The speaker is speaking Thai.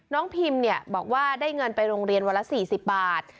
น้องพิมป์เนี่ยบอกว่าได้เงินไปโรงเรียนวันละ๔๐บาท